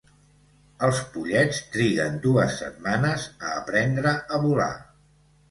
Els pollets triguen dues setmanes a aprendre a volar.